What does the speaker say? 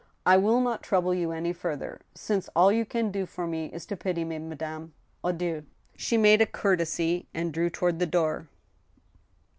I will not trouble you any further, since all you can do for me is to pity me, madame. Adieu." She made a courtesy, and drew toward the door.